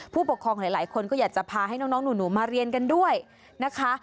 ผู้ปกครองหลายคนก็อยากจะพาให้น้องหนูมาเรียนกันด้วยนะคะ